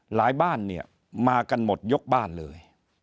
หลายบ้านมากันหมดยกบ้านเลย